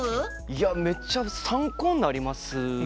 いやめっちゃ参考になりますね。